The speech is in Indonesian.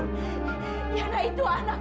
pak essere lebih burada